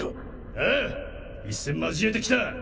ああ一戦交えてきた